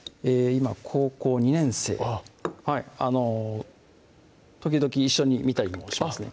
今高校２年生時々一緒に見たりもしますね